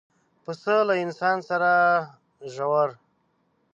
پسه له انسان سره ژور